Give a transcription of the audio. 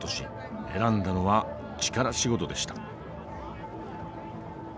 選んだのは力仕事でした。